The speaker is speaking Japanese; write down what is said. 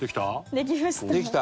できました。